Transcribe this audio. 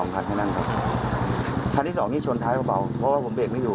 คันนั้นครับคันที่สองนี่ชนท้ายเบาเพราะว่าผมเบรกไม่อยู่